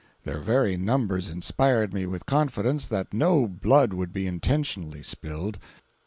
Their very numbers inspired me with confidence that no blood would be intentionally spilled.